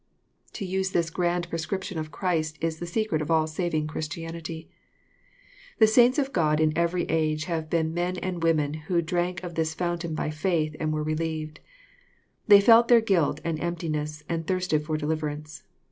To use this grand prescription of Christ is the secret of all saving Christianity. The saints of God in every age have been men and women who drank of this fountain by faith, and were relieved. They felt their guilt and empti ness, and thirsted for deliverance.